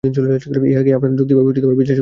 ইহাকেই আপনারা যুক্তি বা বিচারশক্তি বলিয়া থাকেন।